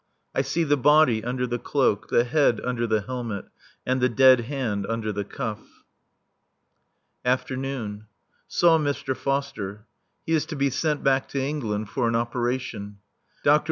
I see the body under the cloak, the head under the helmet, and the dead hand under the cuff. [Afternoon.] Saw Mr. Foster. He is to be sent back to England for an operation. Dr.